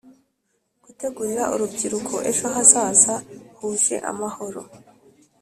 gutegurira urubyiruko ejo hazaza huje amahoro